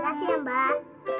kasih ya mbah